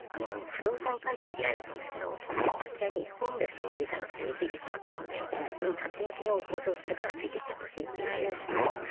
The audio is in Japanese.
不動産関係の依頼だったんですけど空き家にホームレスのおじいさんが住み着いてしまったのでその立ち退きの交渉するからついてきてほしいっていう依頼でしたね。